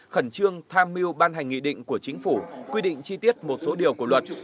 khẩn trương tham mưu ban hành nghị định của chính phủ quy định chi tiết một số điều của luật